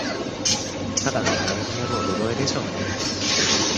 ただの加齢による衰えでしょうね